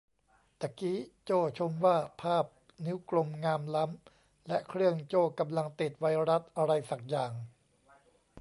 ตะกี้โจ้ชมว่าภาพนิ้วกลมงามล้ำ และเครื่องโจ้กำลังติดไวรัสอะไรสักอย่าง